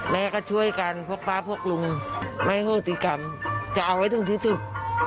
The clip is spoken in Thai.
แม่ก็ช่วยกันพวกป๊าพวกลุงไม่โหติกรรมจะเอาไว้ถึงที่สุด